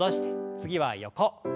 次は横。